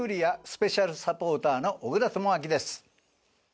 スペシャルサポーターの小倉智昭です。